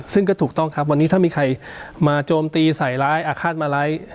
ซึ่งก็ถูกต้องครับวันนี้ถ้ามีใครมาโจมตีใส่ร้ายอาฆาตมาร้าย